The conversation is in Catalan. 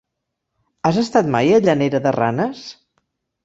Has estat mai a Llanera de Ranes?